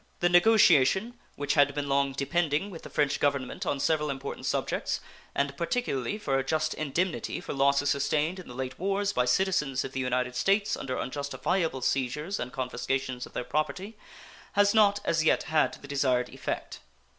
The negotiation which had been long depending with the French Government on several important subjects, and particularly for a just indemnity for losses sustained in the late wars by the citizens of the United States under unjustifiable seizures and confiscations of their property, has not as yet had the desired effect.